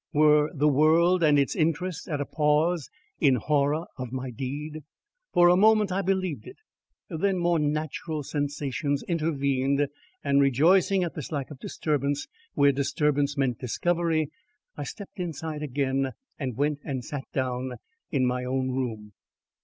Were the world and its interests at a pause in horror of my deed? For a moment I believed it; then more natural sensations intervened and, rejoicing at this lack of disturbance where disturbance meant discovery, I stepped inside again and went and sat down in my own room.